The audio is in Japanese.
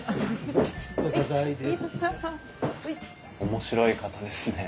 面白い方ですね。